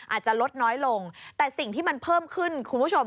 อาจจะลดน้อยลงแต่สิ่งที่มันเพิ่มขึ้นคุณผู้ชม